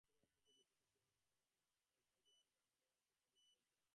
যেহেতু রাজনৈতিক ইস্যুতে তিনি মারা যান, তাই তাঁকে অনুদান দেওয়ার সুপারিশ করেছিলাম।